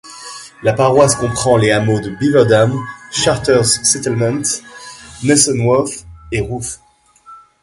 La paroisse comprend les hameaux de Beaver Dam, Charters Settlement, Nasonworth et Rooth.